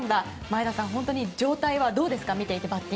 前田さん、本当に状態はどうですか？